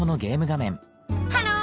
ハロー！